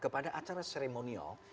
kepada acara seremonial